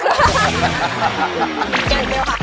นั่นเดี๋ยวค่ะ